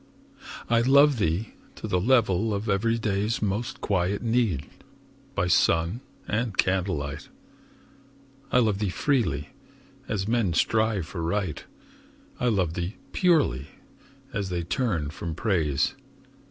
I love thee to the level of everyday's Most quiet need, by sun and candlelight. I love thee freely, as men strive for Right; I love thee purely, as they turn from Praise.